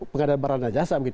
pengadaan barang dan jasa